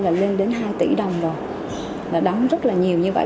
là tỷ đồng rồi là đóng rất là nhiều như vậy